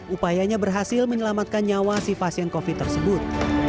upayanya berhasil menyelamatkan nyawa si pasien covid tersebut